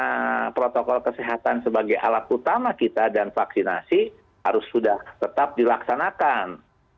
karena protokol kesehatan sebagai alat utama kita dan vaksinasi harus sudah tetap dilaksanakan